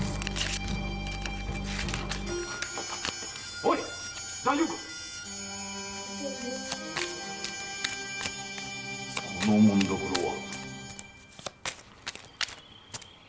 おい大丈夫か⁉この紋所は。